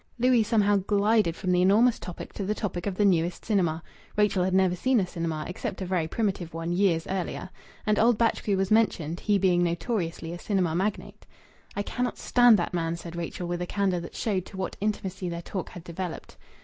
Louis somehow glided from the enormous topic to the topic of the newest cinema Rachel had never seen a cinema, except a very primitive one, years earlier and old Batchgrew was mentioned, he being notoriously a cinema magnate. "I cannot stand that man," said Rachel with a candour that showed to what intimacy their talk had developed.